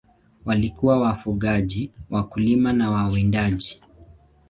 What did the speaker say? Walikuwa wafugaji, wakulima na wawindaji.